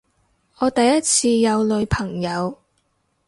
我第一次有女朋友